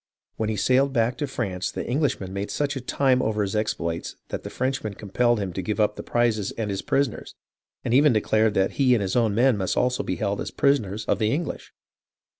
When he sailed back to France the English men made such a time over his exploits that the French men compelled him give up the prizes and his prisoners, and even declared that he and his own men must also be held as prisoners of the English.